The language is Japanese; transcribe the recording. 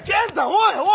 おいおい！